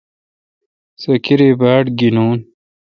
سو کاری باڑ گینون۔